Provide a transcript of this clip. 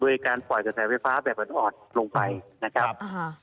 ด้วยการส่วนไฟแบบอ่อนลงไปนะครับ